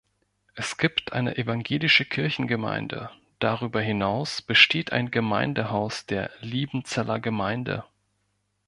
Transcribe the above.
Es gibt eine evangelische Kirchengemeinde, darüber hinaus besteht ein Gemeindehaus der Liebenzeller Gemeinde.